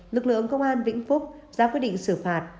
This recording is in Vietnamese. lực lượng công an vĩnh phúc ra quyết định xử phạt